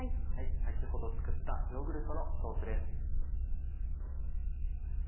先ほど作ったヨーグルトのソースです。